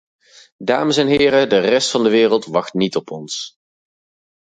Dames en heren, de rest van de wereld wacht niet op ons.